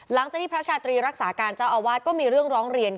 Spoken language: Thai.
หลังจากที่พระชาตรีรักษาการเจ้าอาวาสก็มีเรื่องร้องเรียน